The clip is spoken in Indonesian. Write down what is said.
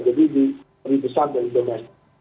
jadi lebih besar dari domestik